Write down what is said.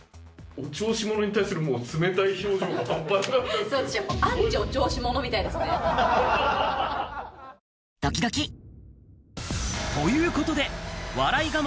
お調子者に対するもう冷たい表情が、私、ドキドキ。ということで、笑い我慢